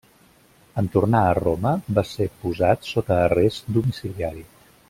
En tornar a Roma, va ser posat sota arrest domiciliari.